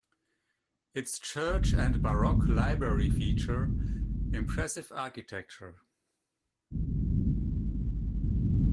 Its church and baroque library feature impressive architecture and artwork, including intricate ceiling frescoes.